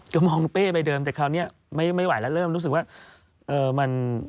ก็มองเป้ไปเดิมแต่คราวนี้ไม่ไหวแล้วเริ่มรู้สึกว่ามัน